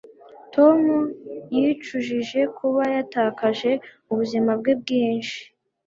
Tom yicujije kuba yatakaje ubuzima bwe bwinshi